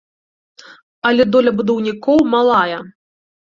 Але доля будаўнікоў малая.